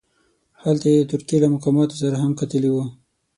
هلته یې د ترکیې له مقاماتو سره هم کتلي وه.